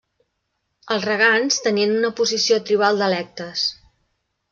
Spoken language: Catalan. Els regants tenien una posició tribal d'electes.